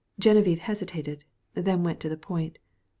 Geneviève hesitated, then went to the point.